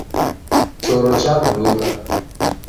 Choro chawuduka